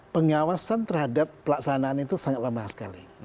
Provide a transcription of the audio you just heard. pengawasan terhadap pelaksanaan itu sangat lama sekali